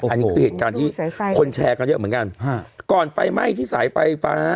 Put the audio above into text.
อันนี้คือเหตุการณ์ที่คนแชร์กันเยอะเหมือนกันฮะก่อนไฟไหม้ที่สายไฟฟ้า